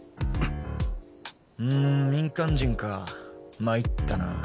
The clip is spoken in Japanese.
うん民間人かまいったなあ